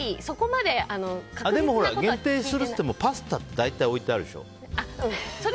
でも、限定するっていってもパスタって大体置いてあるでしょう。